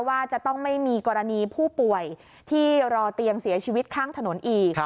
ว่าจะต้องไม่มีกรณีผู้ป่วยที่รอเตียงเสียชีวิตข้างถนนอีก